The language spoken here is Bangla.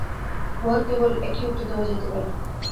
উহার কেবল এক-ই উত্তর দেওয়া যাইতে পারে।